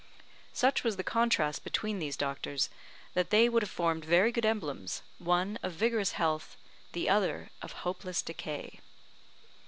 Such was the contrast between these doctors, that they would have formed very good emblems, one, of vigorous health, the other, of hopeless decay.